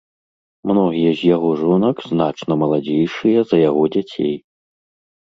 Многія з яго жонак значна маладзейшыя за яго дзяцей.